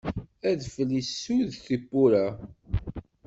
Adfel isudd tiwwura.